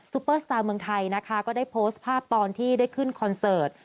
เปอร์สตาร์เมืองไทยนะคะก็ได้โพสต์ภาพตอนที่ได้ขึ้นคอนเสิร์ต